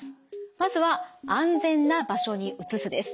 まずは安全な場所に移すです。